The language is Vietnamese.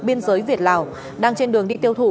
biên giới việt lào đang trên đường đi tiêu thụ